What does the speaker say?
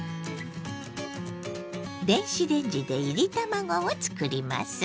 電子レンジでいり卵を作ります。